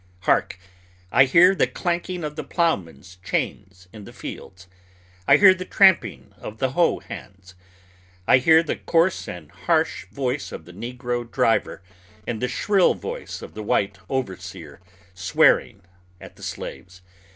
Hark! I hear the clanking of the ploughman's chains in the fields; I hear the tramping of the feet of the hoe hands. I hear the coarse and harsh voice of the negro driver and the shrill voice of the white overseer swearing at the slaves.